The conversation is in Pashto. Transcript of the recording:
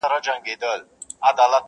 • پلار ویل زویه دلته نر هغه سړی دی..